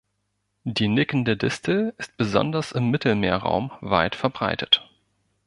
Die Nickende Distel ist besonders im Mittelmeerraum weit verbreitet.